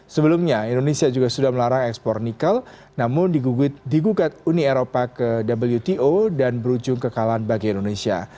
sebelumnya indonesia juga sudah melarang ekspor nikel namun digugat uni eropa ke wto dan berujung kekalahan bagi indonesia